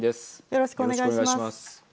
よろしくお願いします。